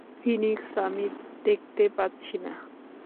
Phoenix, আমি দেখতে পাচ্ছি না।